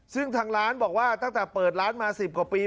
ซึ่งทางร้านบอกว่าตั้งแต่เปิดร้านมา๑๐กว่าปี